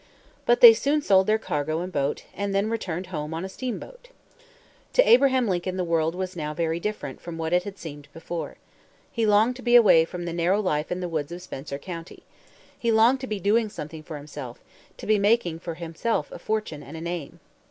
But they soon sold their cargo and boat, and then returned home on a steamboat. To Abraham Lincoln the world was now very different from what it had seemed before. He longed to be away from the narrow life in the woods of Spencer county. He longed to be doing something for himself to be making for himself a fortune and a name.